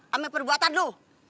sama perbuatan lu